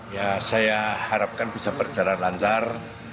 ya saya harapkan bisa berjalan lancar